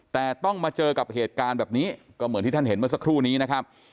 แต่ต้องมาเจอกับเหตุการณ์แบบนี้ก็เหมือนที่ท่านเห็นเมื่อสักครู่นี้นะครับ